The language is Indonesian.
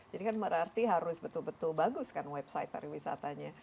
jadi kan berarti harus betul betul bagus kan website pariwisatanya